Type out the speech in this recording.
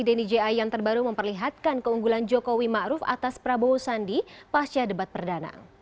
denny j a yang terbaru memperlihatkan keunggulan jokowi ma'ruf atas prabowo sandi pasca debat perdana